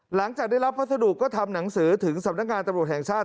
หลังจากได้รับพัสดุก็ทำหนังสือถึงสำนักงานตำรวจแห่งชาติ